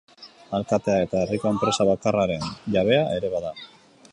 Alkatea eta herriko enpresa bakarraren jabea ere bada.